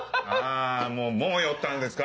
あもうもう酔ったんですか？